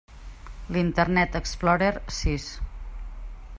L'Internet Explorer sis.